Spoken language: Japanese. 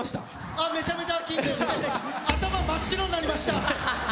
あっめちゃめちゃ緊張して頭真っ白になりました！